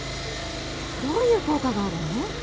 どういう効果があるの？